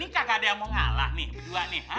ini kagak ada yang mau ngalah nih berdua nih